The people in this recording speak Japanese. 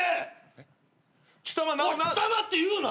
「貴様」って言うな。